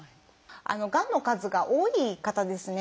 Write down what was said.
がんの数が多い方ですね。